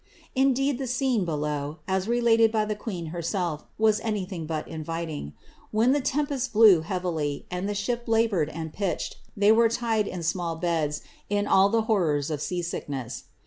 Indeed, the scene below, as related by the queen herself, was any thing but inviting. When the tempest blew heavily, and the ship U boured and pitched, they were tied in small beds, in all the horrors of sea sickness.